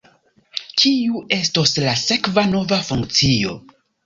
Kiu estos la sekva nova funkcio?